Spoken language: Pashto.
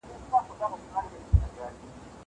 زه به سبا نان وخورم!